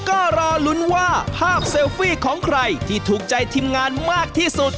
ก็รอลุ้นว่าภาพเซลฟี่ของใครที่ถูกใจทีมงานมากที่สุด